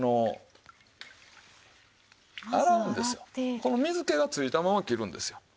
この水気がついたまま切るんですよ。